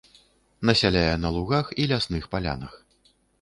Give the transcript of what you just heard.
Насяляе на лугах і лясных палянах.